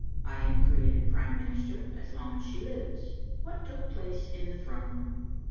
— I AM CREATED PRIME MINISTER AS LONG AS SHE LIVES. — WHAT TOOK PLACE IN THE THRONE ROOM.